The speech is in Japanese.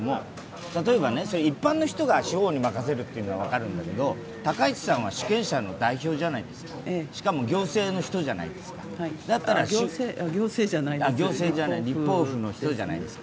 例えば、一般の人が司法に任せるというのはわかるんだけれども、高市さんは主権者の代表じゃないですかしかも行政の人じゃないですか、行政じゃない、立法府の人じゃないですか。